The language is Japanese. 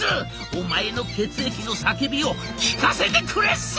お前の血液の叫びを聞かせてくれっす！」。